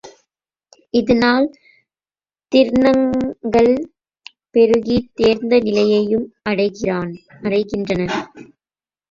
இதனால் திறன்கள் பெருகி, தேர்ந்த நிலையையும் அடைகின்றன.